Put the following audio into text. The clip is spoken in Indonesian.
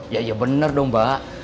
ya ya benar dong mbak